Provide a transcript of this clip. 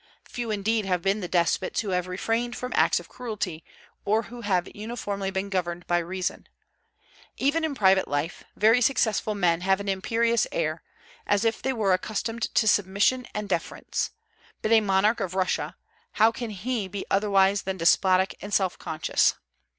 Few indeed have been the despots who have refrained from acts of cruelty, or who have uniformly been governed by reason. Even in private life, very successful men have an imperious air, as if they were accustomed to submission and deference; but a monarch of Russia, how can he be otherwise than despotic and self conscious?